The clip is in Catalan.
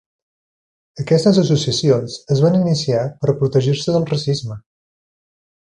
Aquestes associacions es van iniciar per a protegir-se del racisme.